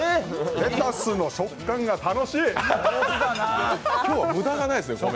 レタスの食感が楽しい！